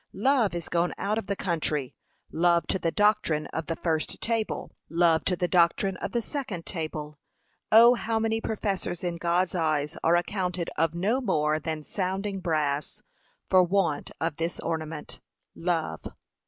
love is gone out of the country; love to the doctrine of the first table, love to the doctrine of the second table. O how many professors, in God's eyes, are accounted of no more than sounding brass, for want of this ornament, love!